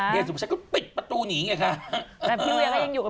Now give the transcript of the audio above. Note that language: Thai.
เวียซุปชัยก็ปิดประตูหนีไงค่ะ